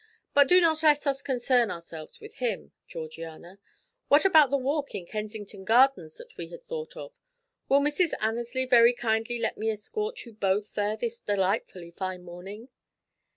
"But do not let us concern ourselves with him, Georgiana; what about the walk in Kensington Gardens that we had thought of? Will Mrs. Annesley very kindly let me escort you both there this delightfully fine morning?"